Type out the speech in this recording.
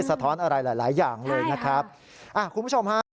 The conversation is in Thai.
ท้อนอะไรหลายหลายอย่างเลยนะครับอ่าคุณผู้ชมฮะ